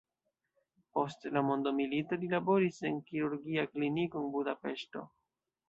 Post la mondomilito li laboris en kirurgia kliniko en Budapeŝto.